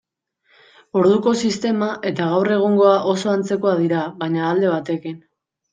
Orduko sistema eta gaur egungoa oso antzekoak dira, baina alde batekin.